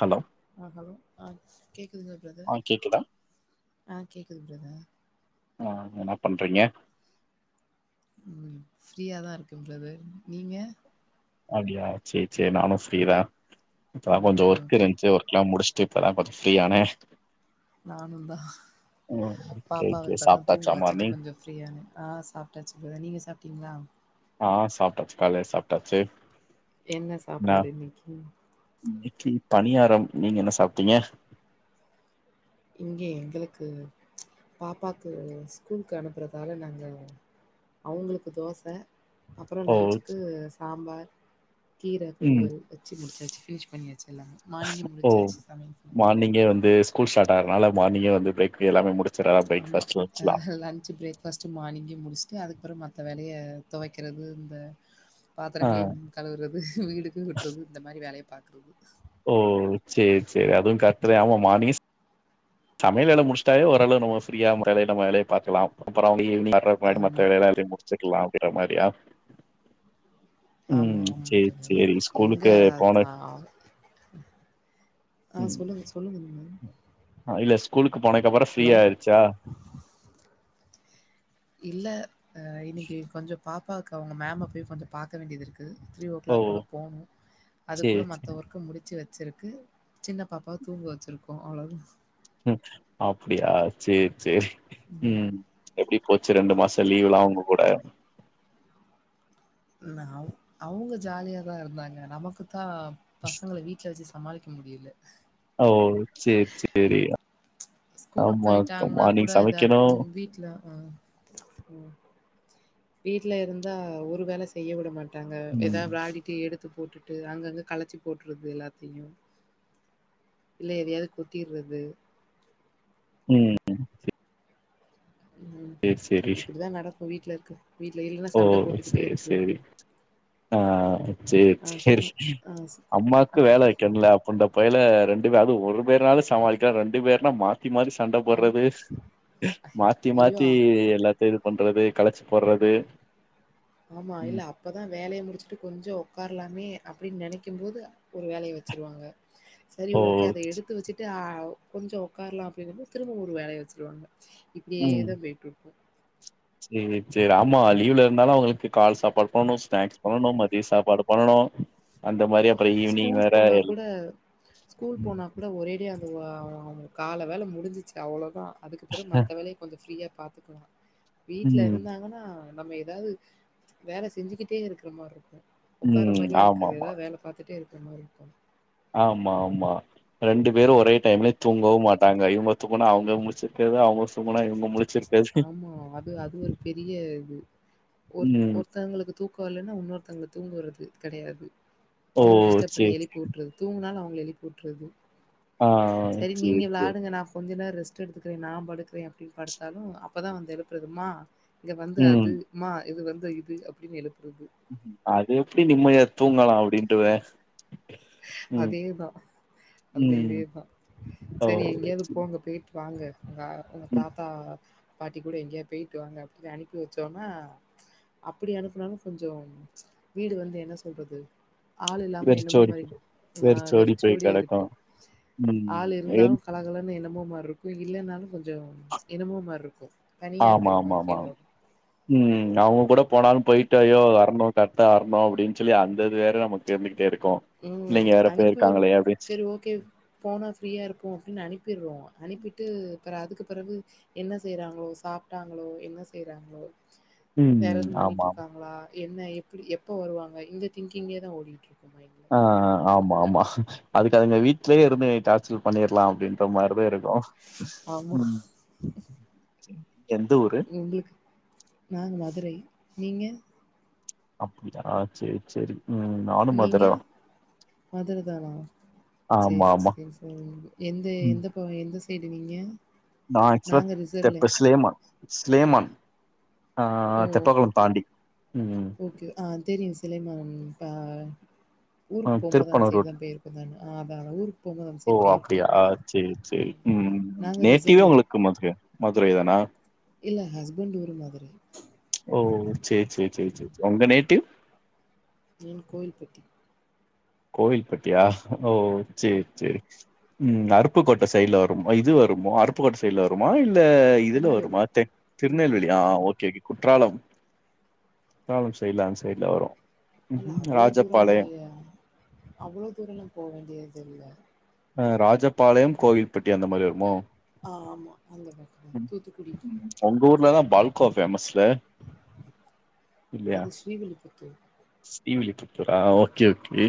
Hello ஆ hello ஆ கேட்குதுங்ளா ஆ பிரதர் கேக்குதா ஆ கேக்குது பிரதர் ஆ என்ன பண்றீங்க ம் ஃப்ரீயா தா இருக்க பிரதர் நீங்க அப்டியா சே சே நானு ஃப்ரீதா இப்பதா கொஞ்சோ ஓகே ஒர்க் ஓகே இருந்துச்சு ஒர்க்கல்லா முடிச் சுட்டு இப்பதா கொஞ்ச ஃப்ரீ ஆன நானுந் தா ம் ஓகே பாப்பாவ ஓகே இப்பதா தூங்க சாப்ட்டாச்சா வச்சுட்டு மார்னிங் கொஞ்சோ ஃப்ரீயானே ஆ சாப்ட்டாச்சு பிரேதர் நீங்க சாப்ட்டீங்ளா ஆ சாப்ட்டாச்சு கால்லயே சாப்ட்டாச்சு என்ன சாப்பாடு இன்னக்கி இட்லி பணியாரம் நீங்க என்ன சாப்ட்டீங்க இங்க எங்களுக்கு பாப்பாக்கு ஸ்கூலுக் அனுப்பறதால நாங்க அவுங்களுக்கு தோச அப்றோ ஓ லன்ச்சுக்கு சாம்பார் கீர ம் பொரியல் வச்சு முடிச்சாச்சு ஃபினிஷ் பன்னியாச்சு எல்லாமே மார்னிங்கே ஓ முடிஞ்சாச்சு சமையல் ஃபுல்லா மார்னிங்கே வந்து ஸ்கூல் ஸ்டார்ட் ஆகறனால மார்னிங்கே வந்து பிரேக் எல்லாமே முடிச் ஆமா அ லன்ச்சு பிரேக் ஃபஸ்ட்டு மார்னிங்கே முடுச்சுட்டு அதுக்கப்பறம் மத்த வேலைய துவைக்கறது இந்த ஆ பாத்தரங் கிளின் கழுவுறது வீடுக்கு கூட்றது இந்த மாரி வேலைய பாக்குறது ஓ சேரி சேரி அதுவு கரெட்டு தா ஆமா மார்னிங்கே சமையல் வேல முடிச்சுட்டாவே ஓரளவு நம்ம ஃப்ரீயா முரவே இல்லாம வேலய பாக்கலாம் அப்பறம் அவுங்க ஈவினிங் [unintelligible] மத்த ஆமா. வேல எல்லாத்தையு முடிச்சுக்லா அப்டின்ற மாரியா ஆமா, ம் ஆமா சேரி தோழி. சேரி எங்க ஸ்கூலுக்கு போன ஆ ஆ ம் சொல்லுங்க, சொல்லுங்க நீங்க. இல்ல ஸ்கூலுக்கு போனதுக்கப்பறம் ஹலோ? ஃப்ரீயா ஆயிட்ச்சா இல்ல இன்னக்கி கொஞ்ச பாப்பாவுக்கு அவுங்க மேம்ம போய் கொஞ்ச பாக்க வேண்டியது இருக் கு த்ரீ ஓ கிளாக் போல போணு சேரி அதுக்குள்ள சேரி மத்த ஒர்க் க்கு முடிச்சு வச்சுருக்கு சின்ன பாப்பாவ தூங்க வச்சுருக்கோ அவ்ளோதா ம் அப்டியா சேரி சேரி ம் எப்டி போச்சு ரெண்டு மாச லீவ்வல்லா அவுங்க கூட நவ் அவுங்க ஜாலியாதா இருந்தாங்க நமக்குத்தா பசங்கள வீட்ல வச்சு ச சமாளிக்க முடியல ஓ சேர் சேரி ஸ்கூல் ஆமா போய்ட்டாங்னா மார்னிங் கூட இதாருக்கு சமைக்கணும் வீட்ல ஆ வீட்லருந்தா ஒரு வேல செய்ய வுட மாட்டாங்க எதா ம் வெளாடி ட்டி எடுத்து போட்டுட்டு அங்கங்க கலச்சு போட்றது எல்லாத்தியு இல்ல எதயாவ்து கொட்டிறது ம் ம் சேரி சேரி இப்டிதா நடக்கு வீட்லருக்க ஓ சேர்‌ சேரி ஆ சேர் ஆ சேரி சொல்லுங்க. ஆ ஸ் அம்மாக்கு வேல வெக்கன்ல கொண்ட பயல ரெண்டு பே அது ஒரு பேர்னாது சமாளிக்லா ரெண்டு பேர்னா மா த்தி மாத்தி சண்ட அம் போட்றது மாத்தி மாத்தி ஐயோ! எல்லா த்தியு பண்றது கலச்சு போட்றது ஆமா இல்ல அப்பதா வேலய முடிச்ட்டு கொஞ்சொ ஒக்கார்லாமே அப்டின் நெனைக்கிம்போது ஒரு வேலய வச்சிருவாங்க சரி ஓ ஓகே அத எடுத்து வச்சுட்டு ஆ கொஞ்சோ ஒக்கார்லா அப்டின்னம் போது திரும்பவு ஒரு வேலய வச்சுருவாங்க ம் இப்டியேதா போய்ட்ருக்கு சேரி சேரி ஆமா லீவ்லருந்தாலு அவுங்ளுக்கு கால் சாப்பாடு பண்ணனு ஸ்நாக்ஸ் பண்ணனு மதிய சாப்பாடு பண்ணனு ஸ்கூல் போனா கூட ஸ்கூல் போனா கூட ஒரேடியா அந்த ஆ கால வேல முடிஞ்சிச்சு அவ்ளோதா அதுக்கு பிறகு மத்த வேலய கொஞ்சோ ஃப்ரீயா பாத்துக்கலா ம் வீட்லருந்தாங்கன் னா நம்ம எதாவ்து வேல செஞ்சுக்கிட்டே இருக்குற மார்ருக்கு ஒக்கார்ற ம் மாரியே ஆமாமா எதா வேல பாத்துட்டே இருக்குற மார்ருக்கு ஆமா ஆமா ரெண்டு பேரு ஒரே டைம்லே தூங்கவு மாட்டாங்க இவுங்க தூங்குனா அவுங்க முழிச்சிருக்கறது அவுங்க தூங்குனா இவுங்க முழிச்சிருக்கறது ஆமா அது அது ஒரு பெரிய இது ஒர் ம் ஒர் த்தோங்களுக்கு தூக்கோ வர்லன்னா வுன்னொருத்தோங்கள தூங்க வுட்றது கெடயாது ஓ அவுங்கள டிஸ்டர்ப் பண்ணி சேரி எழுப்பி வுட்ரு தூங்னாலு அவுங்கள எழுப்பி வுட்றது ஆ செரி நீங்க சேரி சேரி விளாடுங்க நா கொஞ்ச நேரோ ரெஸ்ட் எடுத்துக்குறே நா படுக்குறே அப்டின் படுத்தாலு அப்பதா வந்து எழுப்புறது மா இங்க வந்து ம் அது மா இது வந்து இது அப்டின் எழுப்புறது அது எப்டி நிம்மதியா தூங்கலா அப்டின்ட்டுவே அதேதா அந்த இதே ம் தா ஓ செரி எங்கேயாது செரி போங்க போய்ட்டு வாங்க உங்கா உங்க ம் தாத்தா பாட்டி கூட எங்கயா போய்ட்டு வாங்க அப்டின் அனுப்பி வச்சோனா அப்பிடி அனுப்புனாலு கொஞ்சோ வீடு வந்து என்ன சொல்றது ஆள் இல்லாம என்னமோ வெறிச்சோடி மாரி போய் [unintelligible] போய் வெறிச்சோடி கெடக்கு இருக்கு ம் ஆள் இருந்தாலு என் கலகலன் என்னமோ மார்ருக்கு இல்லனாலு கொஞ்சொ என்னமோ மார்ருக்கு ஆமா தனியாருக்குற ஆமா மாரி ஆமா ஃபீல் ஆகு ம் அவுங்க கூட போனாலு போய்ட்டு ஐய்யோ வர்னு கர்ட்டா வர்னு அப்டின் சொல்லி அந்த இது வேற நமக் கிருந்துகிட்டேருக்கு ம் அனுப்பி வு செரி ஓகே போனா ஃப்ரீயாருக்கு அப்டின் அனுப்பிருவோ அனுப்பிட்டு அப்றோ அதுக்கு பெறவு என்ன செய்றாங்ளோ சாப்ட்டாங்ளோ என்ன செய்றாங்ளோ வேற ம் எதுவு ஆமா பண்ணிட்ருக்காங்களா என்ன எப்டி எப்போ வருவாங்க இந்த திங்கிங்கே தா ஓடிட்ருக்கு மைண்ட்ல ஆ ஆ ஆமா ஆமா அதுக்கு அதுங்க வீட்லேயே இருந்து டார்ச்சர் பண்ணிர்லா அப்டின்ற மாரிதா இருக்கு ஆமா ம் எந்த ஊரு உங்ளுக்கு நாங்க மதுரை நீங்க அப்டிதானா ஆ சேரி சேரி ம் நானு மதுர தா மதுரதானா சேரி ஆமா ஆமா சேரி சேரி எந்த ம் எந்த இப்போ எந்த சைடு நீங்க நா ஆக்சுவல நாங்க ரிசர்வ்ல. தெப்ப ஸ்லேமா ஸ்லேமா அ ஓ! தெப்பக்குலோ தாண்டி ம் ஓகே ஆ தெரியு ஸ்லேமா இப்ப ஆ ஊருக்கு போகுபோது அந்த திருப்பனூர் சைடு தா ரோட்ல பொயிருக்கே அதா ஊருக்கு போம்போது அந்த ஓ சைடு அப்டியா போயிருக்கோம். சேரி சேரி ம் நாங்க ரிசர்வ் நேட்டிவ்வே லைன். உங்ளுக்கு மதுரையா மதுரை தானா இல்ல ஹஸ்பண்ட் ஊரு மதுரை ஓ சேர் சேர் சேர் சேரி உங்க நேட்டிவ் எனக்கு கோவில்ப்பட்டி கோவில்ப்பட்டியா ஓ ம். சேர் சேரி ம் அருப்புக்கோட்டை சைட்ல வரும் இது வருமோ அருப் புக்கோட்டை சைட்ல வருமா இல்ல இதுல திருநெல்வேலி, வருமா தெ திருநெல்வேலி ஆ ஓகே ஓகே குற்றாலம் குற்றாலம் சைட்ல அந்த சைட்ல வரு அது ம் அவ்வளோ தூரோல்லா ராஜபாளையம் இல்ல ஐய அவ்வளோ தூரோல்லா போ வேண்டியதில்ல அ ராஜபாளையம் கோயில்ப்பட்டி அந்த மாதிரி வருமோ ஆமா. அந்த பக்கம் தான். தூத்துக்குடி. உங்க ஊர்லதா பால்கோவா ஃபேமஸ்ல அது ஸ்ரீவில்லிப்புத்தூர் ஸ்ரீவில்லிப்புத்தூர்ரா ஓகே ஓகே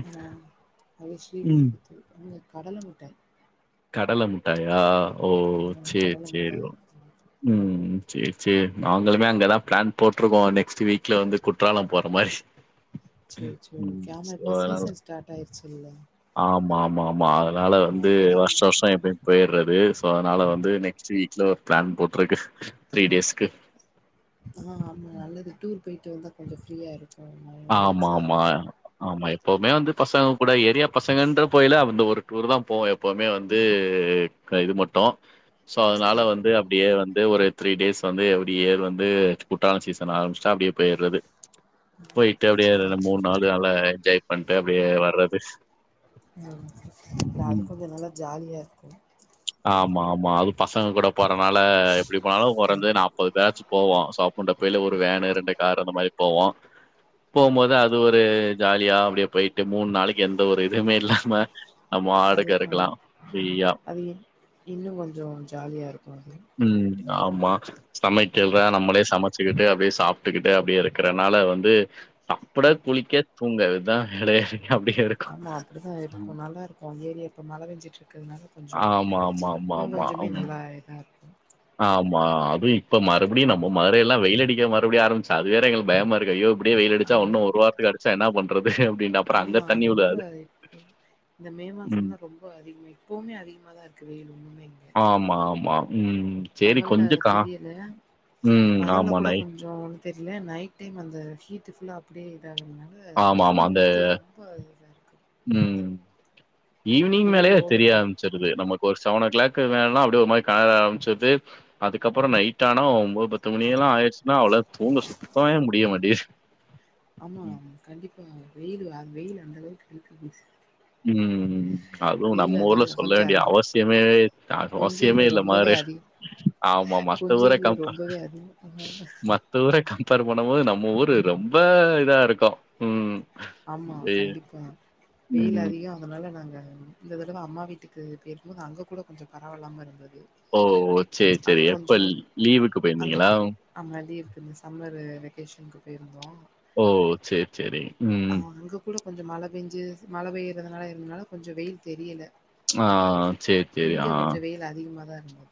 ம் இங்க கடல மிட்டாய் கடல மிட்டாயா ஓ ஆமாம் சேரி கடலை சேரி மிட்டாய் ஓ ம் சேரி சேரி நாங்களுமே அங்கதா ப்ளான் போட்டிருக்கோ நெக்ஸ்ட் வீக்ல வந்து குற்றாலம் போற மாரி சேரி சேரி ம் ஓகே ஆமா சோ இப்ப அதனால சீசன் ஸ்டார்ட் ஆயிருச்சுல்ல ஆமா ஆமா ஆமா அதனால வந்து இப்போ தான் வர்ஷோ வர் ஷோ எப்டியு பொயிட்றது சோ அதனால வந்து நெக்ஸ்ட் வீக்ல ஒரு ப்ளான் போட்டிருக்கு த்ரீ டேஸ்க்கு ஆ ஆமா நல்லது டூர் பொய்ட்டு வந்தா கொஞ்சோ ஃப்ரீயா இருக்கு மைண்ட் ஆமா, ரிலாக்ஸா ஆமா. இருக்கு ஆமா எப்பவுமே வந்து பசங்க கூட ஏரியா பசங்கன்ற போயல வந்து ஒரு டூர் தா போவோ எப்பவுமே வந்து இது மட்டு சோ அதனால சரி வந்து அப்டியே வந்து ஒரு த்ரீ டேஸ் வந்து அப்டிய ஏர் வந்து குற்றாள சீசன் ஆரம்பிச்ட்டா அப்டியே பொயிறது பொயிட்டு சரி அப்டியே மூணு சரி. நாள் நல்லா என்ஜாய் பண்ட்டு அப்டியே வர்றது ம் அது ம். கொஞ்சோ நல்லா ஜாலியா இருக்கு ஆமா ஆமா அது பசங்க கூட போறனால எப்டி போனாலு கொரஞ்ஜது நாப் பது பேஜ் போவோ சோ அப்பன்றப்ப போல ஒரு வேனு ரெண்டு கார் அந்த மாரி போவோ போம்போது அது அது ஒரு ஜாலியா அப்டியே பொயிட்டு மூண் நாளைக்கு எந்த ஒரு இதுமே இல்லாம அது நம்பாடுக்கு இருக்லா ஃப்ரியா அது இன்னு கொஞ்சோ ஜாலியா இருக்கு அது ம் ஆமா சமைக்கற்துலா நம்ளே சமை ச்சுக்கிட்டு அப்டியே சாப்ட்டுக்கிட்டு அப்டியே இருக்கறனால வந்து சாப்ட குளிக்க தூங்க இதா வேலையே அப்டியே இருக் ஆமா அப்டிதான் இருக்கும் நல்லா இருக்கும் ஏரியா இப்ப மழை பெஞ்சிட்டு இருக்கறதுனால கொஞ்ச ஆமா ஆமா ஆமா இன்னு ஆமா கொஞ்சமே ம் நல்லா இதாக இருக்கும் ஆமா அதுவு இப்ப மறுபடியும் நம்ம மதுரை எல்லாம் வெயில் அடிக்க மறுபடியும் ஆரம்பிச்சு அது வேற எங்க பயமா இருக்கு ஐயோ இப்டியே வெயில் அடிச்சா அங்க இன்னு ஒரு வாரத்துக்கு அடிச்சா என்னா பண்றது அப்டின்னி அங்க ஆமா தண்ணி ரொம்ப வுடாது இப்போ இந்த மே மாசம தான் ரொம்ப அதிகமா எப்வுமே அதிகமா தான் இருக்கு வெயில்இண்ணுமே ஆமா ஆமா ம் சேரி பகல்ல கொஞ்சோ கா தெரில ம். பகல்ல ஆமா. கூட நை கொஞ் ஞ்சோ ஒன்னும் தெரில நைட் டைம் அந்த ஹீட்டு ஃபுல்லாக அப்டியே இதாகிறதுனால ஆமா, ஆமா. அந்த தூங்கும்போது ரொம் போ அதிகமாருக்கு ம் ஈவினிங் வெயில் மேலேயே ஓவர் தெரிய தா ஆரம்பச்சிருது நமக்கு ஒரு செவன் ஓ கிளா மேல அப்டியே ஒரு மாதிரி கண ஆரம்பிச்சிருது அதுக்கப்புறம் நைட்டானா ஒம்பது பத்து மணில்லாம் ஆயிடுச்சுன்னா அவ்ள தூங்க சுத்தமாவே முடிய மாட்டிது ஆமாயா கண்டிப்பா வெயிலுயா வெயில் அந்த அளவுக்கு இருக்கா வந்துசு ம் ம் ம் அதுவும் நம்ம ஊர்ல அதிக சொல்ல கொஞ்சோ வேண்டிய அதிக அவசியமே கொஞ்சோ அவசியமே இல்ல ரொம்பவே மாதிரி அதிகோ ஆமா ஆமா மத்த கொஞ்சோ ஊர இல்ல கம்பேர் ரொம்பவே அதிகோ அதனால மத் த்த ஊரை கம்பேர் பண்ணும் போது நம்ம ஊரு ரொம்ப இதா இருக்கும் ம் ஆமா வெ கண்டிப்பா வெயில் ம். அதிகம் அதனால நாங்க இந்த தடவை அம்மா வீட்டுக்கு பேயிருக்கும்போது அங்க கூட கொஞ்சம் பரவால்லாம இருந்தது ஓ செர் செரி அங்க எப்போ கொஞ்சோ லீவுக்கு அங்க போயிருந்தீங்களா ஆமா லீவுக் இந்த சம்மரு வெக்கேஷனுக்கு போயிருந்தோம் ஓ செர் செரி அ அங்க கூட கொஞ்சம் மழை பெஞ்சு மழை பெயறதுனால இருந்தனால கொஞ்சம் வெயில் தெரில ஆ செர் செரி ஆ இல்ல அதிகமா தான் இருந்தது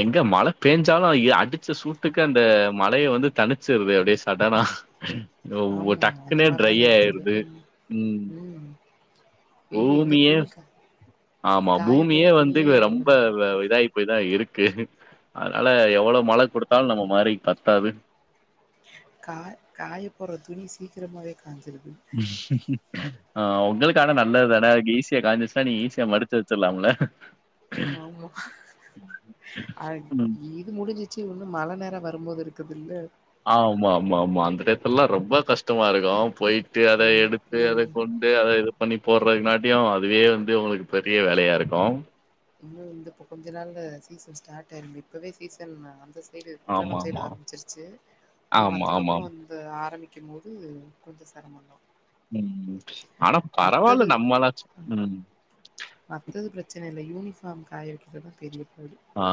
எங்க மழை பெஞ்சாலும் அடிச்ச சூட்டுக்கு அந்த மழையை வந்து தனிச்சிருது அப்டியே சடனா ஒ ஆமா அந்த டக்குனு ட்ரை மாரிதான இருக்குது ஆயிடுது ம் ம் வெயில் எங்க பூமியே துணி கா ஆமா காய பூமியே போடுற வந்து துணியே ரொம்ப உடனே இதாயி இப்டிதான் இருக்கு அதனால எவ்ளோ மழை குடுத்தாலும் நம்ம மதுரை பத்தாது கா காய போற துணி சீக்கிரமாவே காஞ்சிருது [inaudible] ஆ உங்களுக்கான நல்லது தானே ஈஸியா காஞ்சிருசன்னா நீ ஈஸியா மடிச்சு வச்சிரலாம்ல ஆமா அது ம். இது முடிஞ்சிச்சு இன்னும் மழை நேரம் வரும்போது இருக்குதுல்ல ஆமா ஆமா ஆமா அந்த இடத்துல்லாம் ரொம்ப கஷ்டமா இருக்கும் போயிட்டு அத ஆமா எடுத்து இன்னு அத கொண் டாந்து அத இது பண்ணி போடுறதுக்காட்டியும் அதுவே வந்து உங்களுக்கு பெரிய வேலையா இருக்கும் இன்ன இந்தப்போ கொஞ்ச நாள்ல சீசன் ஸ்டார்ட் ஆயிரு இப்பவே சீசன் அந்த சைடு குற்றாலம் சைடு ஆமாமா. ஆரம்பிச்சிருச்சு இன்னும் ஆமா, மத்த பக்கோ ஆமாம். அத ஆரம்பிக்கும் போது கொஞ்சம் சிரமம்தா ம் ம் ஆனா பரவால்ல நம்மல்லாச்சு ம் மத்தது பிரச்சனை இல்லை யூனிஃபார்ம் காய வைக்கிறதுதான் பெரிய பாடு ஆ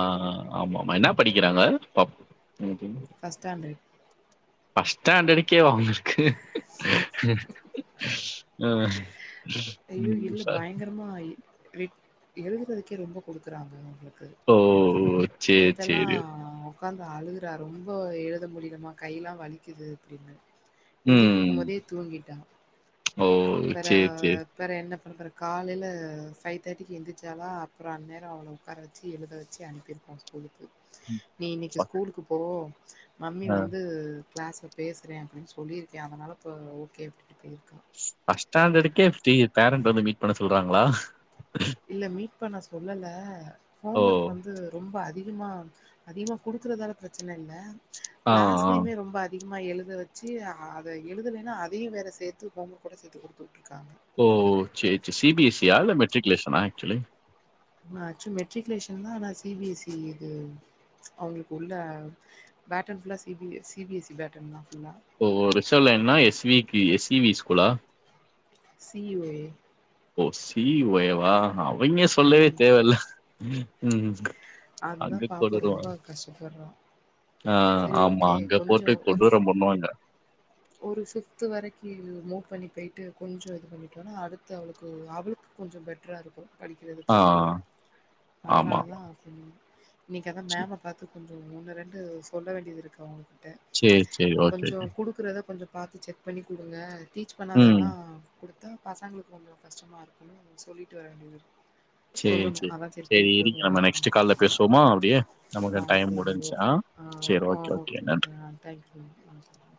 ஆமமா என்ன படிக்கிறாங்க பாப் போம் பஸ்டாண்டர் பஸ்ட் ஸ்டாண்டர்டுக்கேவா உங்களுக்கு ம் ஐயோ இல்லை ச பயங்கரமா ரட் எழுதுறதுக்கே ரொம்ப கொடுக்குறாங்க அவங்களுக்கு ஓ! சரி, நேத்தல்லாம் சரி. உக்காந்து அழுகுறா ரொம்ப எழுத முடியலமா கையெல்லா வலிக்குது அப்டின்னு எழுதிட்டு இருக்கு ம். போதே தூங்கிட்டா ஓ! வேறா சரி, சரி. அப்றோ என்ன பண்றது காலையில ஃபைவ் தேர்ட்டிக்கு எழுந்துருச்சால அப்றோ அன்நேரோ அவ்வள உட்கார வச்சு எழுத வச்சு அனுப்பி ஆ ஸ்கூலுக்கு [inaudible] நீ இன்னைக்கு ஸ்கூலுக்கு போ மம்மி அ வந்து கிளாஸ்ல பேசுறே அப்டின்னு சொல்லியிருக்கே அதனால இப்ப ஓகே அப்டின்ட்டு போயிருக்கா பஸ்ட் ஸ்டாண்டர்க்கே இப்டி பேரண்ட் வந்து மீட் பண்ண சொல்றாங்ளா இல்ல மீட் பண்ண சொல்லல ஓ! ஹோம் ஒர்க் வந்து ரொம்ப அதிகமா அதிகமா குடுக்குறதால பிரச்சன இல்ல ஆ, ஆ. கிளாஸ்லயுமே ரொம்ப அதி அதிகமா எழுத வச்சு அத எழுதலனா அதையு வேற சேத்து ஹோம் ஓர்க்கூட சேத்து கொடுத்து விட்ருக்காங்க ஓ சேரி சேரி சி பி எஸ் சியா இல்ல மெட்ரிகுலேஷனா ஆக்சுவலி ஆக்சுவல் மெட்ரிகுலேஷன் தா ஆனா சி பி எஸ் சி இது அவுங்களுக்கு உள்ள பேட்டன் ஃபுல்லா C B S C C B S C பேட்டன்தா ஃபுல்லா ஓ ரிசல் என்னா எஸ்விக்கி எஸ் இவி ஸ்கூலா C E O A O C E O ஏவா அவங்கே சொல்லவே ம் தேவ இல்ல ம் அது தா அங்க பாப்பா கொடூரம். ரொம்ப கஷ்டப்பற்றா ஆ ஆமா அங்க போட்டு ஒரு கொடூரோ பண்ணுவாங்க ஒரு ஃபிப்து வரைக்கு மூவ் பண்ணி போயிட்டு கொஞ்சோ இது பண்ணிட்டோனா அடுத்து அவுளுக்கு அவுளுக் கொஞ்சோ பெட்டரா இருக்கு ஆ படிக்கிறதுக்கு ஆமா. அதனால தா ம் இன்னக்கி அதா சரி, மேம்ம பாத்து கொஞ்சோ ஒன்னு ரெண்டு சொல்ல வேண்டியது இருக்கு அவுங்ககிட்ட சரி, சரி. ஓகே, கொஞ்சோ ஓகே. குடுக்குறத கொஞ்சோ பாத்து செக் பண்ணி குடுங்க டீச் ம். பண்ணாதெல்லா குடுத்தா பசங்களுக்கு கொஞ்சோ கஷ்டமா இருக்குனு சொல்லிட்டு வர வேண்டியது இருக் சரி, சொல்லணு சரி. அதா சேரி சரி போய்ட்டு இருங்க வருவோ நம்ம ம் நெக்ஸ்ட் கால்ல பேசுவோமா அப்படியே? நமக்கு ஆ டைம் சரி முடிஞ்ச்சு. ஓகே ஆ ஓ ஓகே ஓகே ஆ தேங்க்யூ ஆ